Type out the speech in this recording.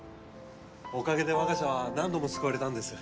おかげでわが社は何度も救われたんです。